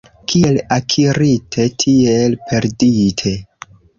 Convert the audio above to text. Kiel akirite, tiel perdite.